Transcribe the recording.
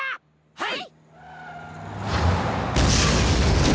はい！